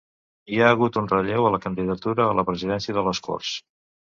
Hi ha hagut un relleu en la candidatura a la presidència de les Corts